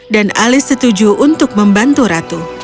dan alice setuju untuk membantu ratu